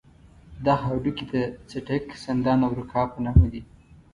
دغه هډوکي د څټک، سندان او رکاب په نامه دي.